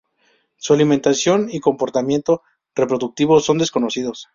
Su alimentación y comportamiento reproductivo son desconocidos.